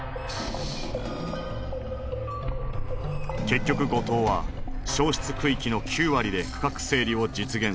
結局後藤は焼失区域の９割で区画整理を実現させた。